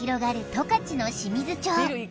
十勝の清水町